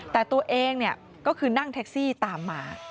แต่ตัวเองก็คือนั่งแท็กซี่ตามมา